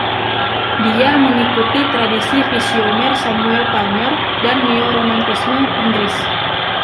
Dia mengikuti tradisi visioner Samuel Palmer dan neoromantisme Inggris.